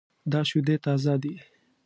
دا شیدې تازه دي